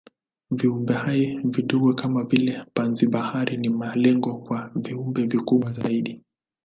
Viumbehai vidogo kama vile panzi-bahari ni malengo kwa viumbe vikubwa zaidi.